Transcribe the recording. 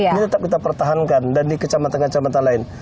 ini tetap kita pertahankan dan di kecamatan kacamata lain